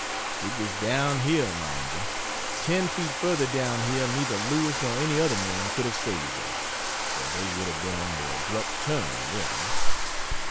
It was down hill, mind you. Ten feet further down hill neither Lewis nor any other man could have saved them, for they would have been on the abrupt "turn," then.